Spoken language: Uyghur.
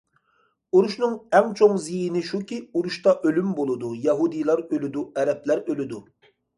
ئۇرۇشنىڭ ئەڭ چوڭ زىيىنى شۇكى، ئۇرۇشتا ئۆلۈم بولىدۇ، يەھۇدىيلار ئۆلىدۇ، ئەرەبلەر ئۆلىدۇ.